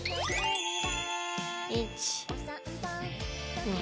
１２。